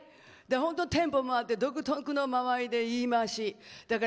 本当、テンポもあって独特の間合いで言い回し。